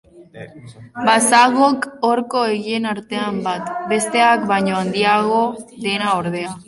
Bazagok horko egien artean bat, besteak baino handiago dena, ordea.